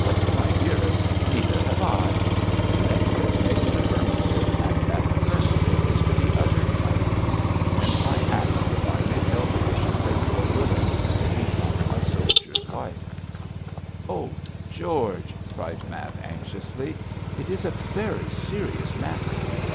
'My dearest, neither have I. Two negatives make an affirmative, and that affirmative is to be uttered by you when I ask if I may tell the bishop that you are willing to become a soldier's wife.' 'Oh, George!' cried Mab, anxiously, 'it is a very serious matter.